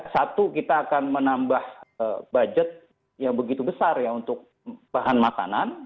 satu kita akan menambah budget yang begitu besar ya untuk bahan makanan